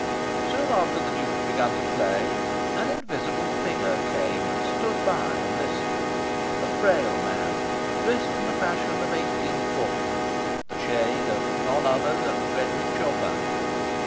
Soon after the Duke had begun to play, an invisible figure came and stood by and listened; a frail man, dressed in the fashion of 1840; the shade of none other than Frederic Chopin.